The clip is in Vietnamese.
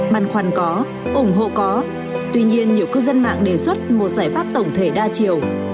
băn khoăn có ủng hộ có tuy nhiên nhiều cư dân mạng đề xuất một giải pháp tổng thể đa chiều